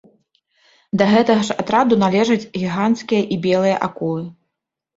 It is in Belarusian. Да гэтага ж атраду належаць гіганцкія і белыя акулы.